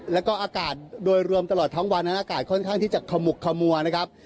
แล้วก็อากาศโดยรวมตลอดทั้งวันนั้นอากาศค่อนข้างที่จะขมุกขมัวนะครับ